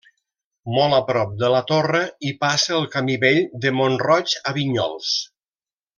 Molt a prop de la torre hi passa el camí vell de Mont-roig a Vinyols.